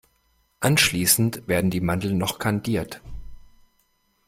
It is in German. Anschließend werden die Mandeln noch kandiert.